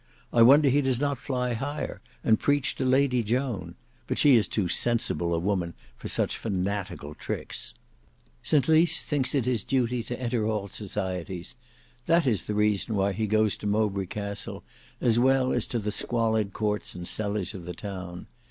I wonder he does not fly higher, and preach to Lady Joan; but she is too sensible a woman for such fanatical tricks." "St Lys thinks it his duty to enter all societies. That is the reason why he goes to Mowbray Castle, as well as to the squalid courts and cellars of the town.